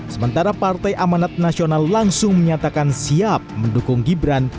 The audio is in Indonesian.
sementara partai amanat nasional langsung menyatakan siap mendukung gibran